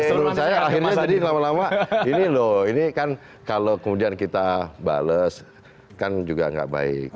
menurut saya akhirnya jadi lama lama ini loh ini kan kalau kemudian kita bales kan juga nggak baik